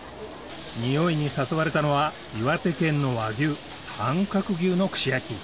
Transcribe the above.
・匂いに誘われたのは岩手県の和牛短角牛の串焼き